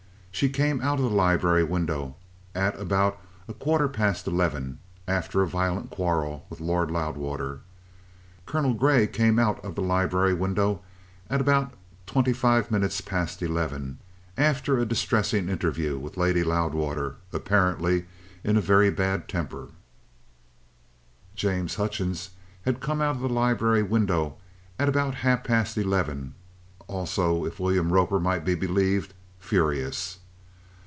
She came out of the library window at about a quarter past eleven after a violent quarrel with Lord Loudwater. Colonel Grey came out of the library window at about twenty five minutes past eleven, after a distressing interview with Lady Loudwater, apparently in a very bad temper. James Hutchings had come out of the library window at about half past eleven, also, if William Roper might be believed, furious.